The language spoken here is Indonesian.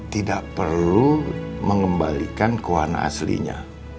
tidak perlu mengembalikan ke wahana aslinya